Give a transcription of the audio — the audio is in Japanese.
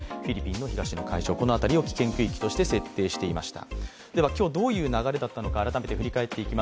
黄海や東シナ海、そしてフィリピンの東の海上、この辺りを危険区域として設定していました。